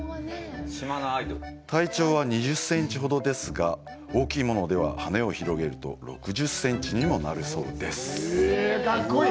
体長は２０センチほどですが、大きいものでは、羽を広げると６０センチにもなるそうです。